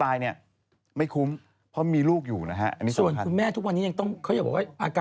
อีกหน่อยก็ต้องไปอยู่กับเกงทัชญะอะไรแหละ